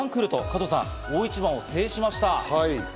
加藤さん、大一番を制しました。